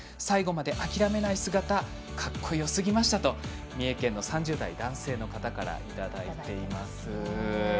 最後まで諦めない姿かっこよすぎましたと三重県の３０代男性の方からいただいています。